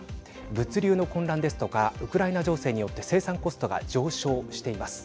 物流の混乱ですとかウクライナ情勢によって生産コストが上昇しています。